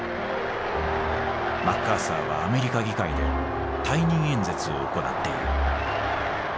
マッカーサーはアメリカ議会で退任演説を行っている。